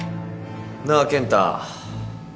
なあ健太。